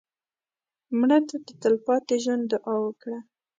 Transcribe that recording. مړه ته د تلپاتې ژوند دعا وکړه